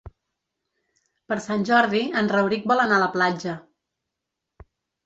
Per Sant Jordi en Rauric vol anar a la platja.